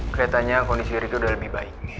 kelihatannya kondisi ritu sudah lebih baik